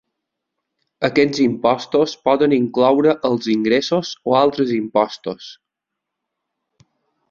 Aquests impostos poden incloure els ingressos o altres impostos.